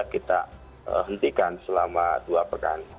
kita hentikan selama dua pekan